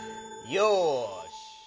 よし！